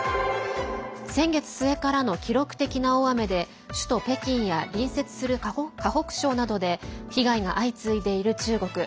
先月末からの記録的な大雨で首都・北京や隣接する河北省などで被害が相次いでいる中国。